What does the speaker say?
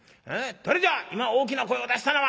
『誰じゃ今大きな声を出したのは？』。